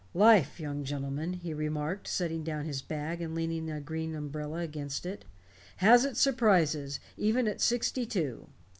"Life, young gentlemen," he remarked, setting down his bag and leaning a green umbrella against it, "has its surprises even at sixty two.